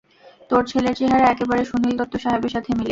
তোর ছেলের চেহারা, একেবারে সুনিল দত্ত সাহেবের সাথে মিলে!